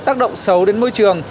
tác động xấu đến môi trường